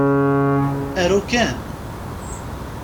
Aru kan!